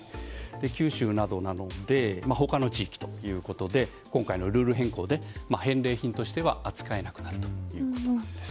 九州なので他の地域ということで今回のルール変更で扱えなくなるということです。